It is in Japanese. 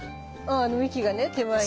幹がね手前に。